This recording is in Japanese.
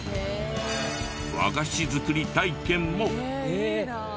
和菓子作り体験も。